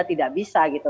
tidak bisa gitu